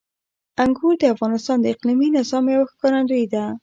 انګور د افغانستان د اقلیمي نظام یوه ښکارندوی ده.